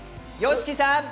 ＹＯＳＨＩＫＩさん。